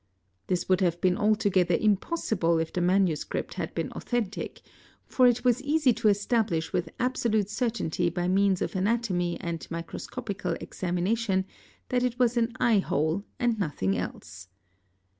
This would have been altogether impossible if the manuscript had been authentic, for it was easy to establish with — absolute certainty by means of anatomy and microscopical examination that it was an eye hole and nothing else.